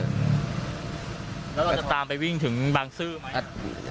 แล้วเราจะตามไปวิ่งถึงบางซื่อไหม